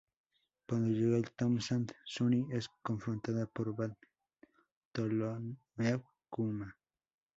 Cuando llega al Thousand Sunny es confrontada por Bartholomew Kuma.